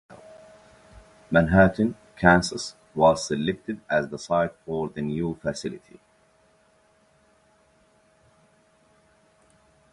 Manhattan, Kansas was selected as the site for the new facility.